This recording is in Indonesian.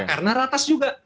karena ratas juga